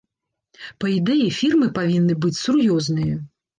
Па ідэі, фірмы павінны быць сур'ёзныя.